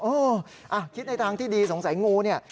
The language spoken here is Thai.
อ้าวคิดในทางที่ดีสงสัยงูนี่